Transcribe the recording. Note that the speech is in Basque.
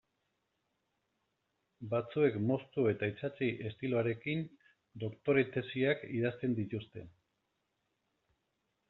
Batzuek moztu eta itsatsi estiloarekin doktore tesiak idazten dituzte.